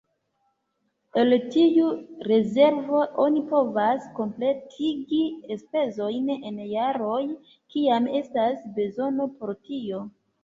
El tiu rezervo oni povas kompletigi enspezojn en jaroj, kiam estas bezono por tio.